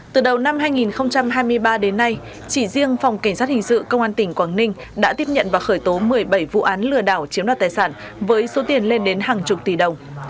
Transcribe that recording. từ đầu năm hai nghìn hai mươi ba đến nay chỉ riêng phòng cảnh sát hình sự công an tỉnh quảng ninh đã tiếp nhận và khởi tố một mươi bảy vụ án lừa đảo chiếm đoạt tài sản với số tiền lên đến hàng chục tỷ đồng